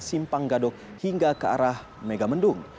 sehingga ke arah megamendung